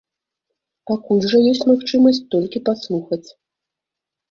Пакуль жа ёсць магчымасць толькі паслухаць.